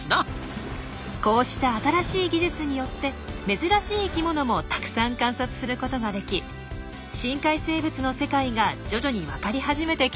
こうした新しい技術によって珍しい生きものもたくさん観察することができ深海生物の世界が徐々にわかり始めてきたんですよ。